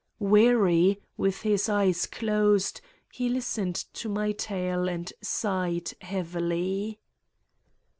Weary, with his eyes closed, he listened to my tale and sighed heavily.